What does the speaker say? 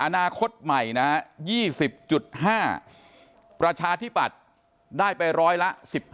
อนาคตใหม่นะครับ๒๐๕ประชาธิบัตรได้ไปร้อยละ๑๕๑